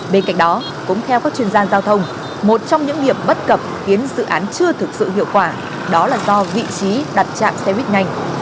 bên cạnh đó cũng theo các chuyên gia giao thông một trong những điểm bất cập khiến dự án chưa thực sự hiệu quả đó là do vị trí đặt chạm xe buýt nhanh